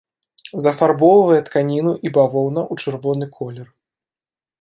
Зафарбоўвае тканіну і бавоўна ў чырвоны колер.